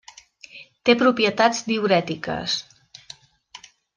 Té propietats diürètiques.